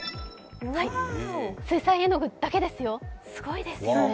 水彩絵の具だけですよ、すごいですね。